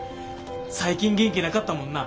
最近元気なかったもんな。